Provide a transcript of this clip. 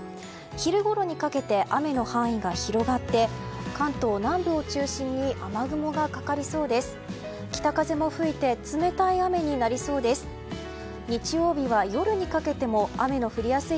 昼ごろにかけて雨の範囲が広がって関東南部を中心に雨雲がかかりそうです。